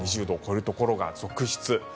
２０度を超えるところが続出。